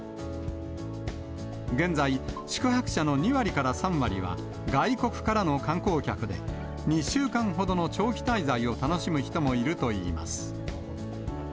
現在、宿泊者の２割から３割は、外国からの観光客で、２週間ほどの長期滞在を楽しむ人もいるといいます。